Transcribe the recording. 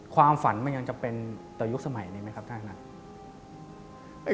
ความฝันมันยังจะเป็นต่อยุคสมัยนี้ไหมครับท่านธนัท